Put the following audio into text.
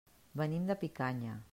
Venim de Picanya.